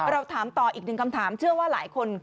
เราถามต่ออีกหนึ่งคำถามเชื่อว่าหลายคน